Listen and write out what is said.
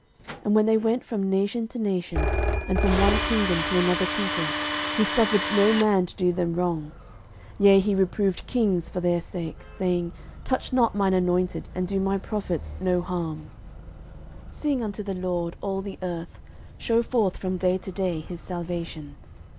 13:016:020 And when they went from nation to nation, and from one kingdom to another people; 13:016:021 He suffered no man to do them wrong: yea, he reproved kings for their sakes, 13:016:022 Saying, Touch not mine anointed, and do my prophets no harm. 13:016:023 Sing unto the LORD, all the earth; shew forth from day to day his salvation.